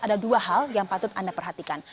ada dua hal yang patut anda perhatikan